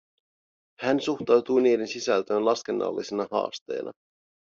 Hän suhtautui niiden sisältöön laskennallisena haasteena.